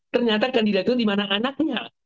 ternyata kandidat itu dimana anaknya